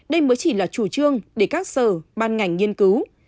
đây mới chỉ là chủ trương để các sở ban ngành nghiên cứu